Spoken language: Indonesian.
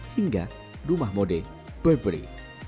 hingga rumah mode burberry